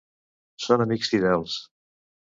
Són amics fidels.